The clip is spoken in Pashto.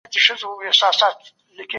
په کور کې سمې خبرې نه هېرول کېږي.